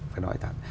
phải nói thẳng